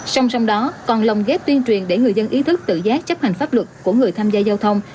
song song đó còn lồng ghép tuyên truyền để người dân ý thức tự giác chấp hành pháp luật của người tham gia giao thông